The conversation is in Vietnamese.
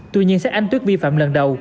tuy nhiên xét anh tuyết vi phạm lần đầu